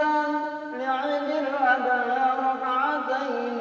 allah is allah allah is allah